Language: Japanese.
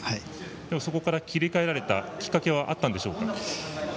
そこから切り替えられたきっかけはあったんでしょうか？